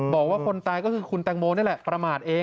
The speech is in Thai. บอกว่าคนตายก็คือคุณแตงโมนี่แหละประมาทเอง